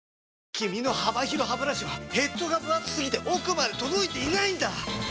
君の幅広ハブラシはヘッドがぶ厚すぎて奥まで届いていないんだ！